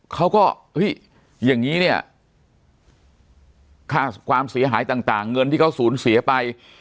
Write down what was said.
เขาก็เฮ้ยอย่างนี้เนี่ยค่าความเสียหายต่างเงินที่เขาสูญเสียไป